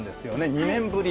２年ぶり。